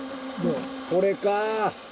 これか！